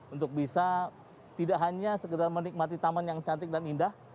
untuk bisa tidak hanya sekedar menikmati taman yang cantik dan indah